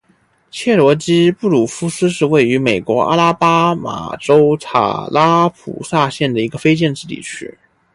切罗基布鲁夫斯是位于美国阿拉巴马州塔拉普萨县的一个非建制地区。